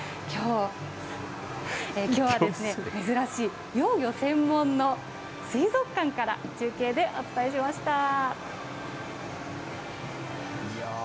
きょうは、珍しい幼魚専門の水族館から、中継でお伝えしましいやー